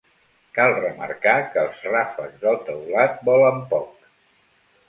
Cal remarcar que els ràfecs del teulat volen poc.